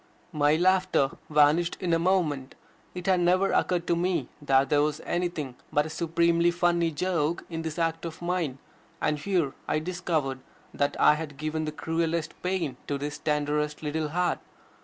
My laughter vanished in a moment. It had never occurred to me that there was anything but a supremely funny joke in this act of mine, and here I discovered that I had given the cruelest pain to this tenderest little heart.